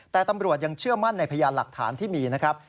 แต่ตำรวจยังเชื่อมั่นในพยานหลักฐานที่มีนะครับ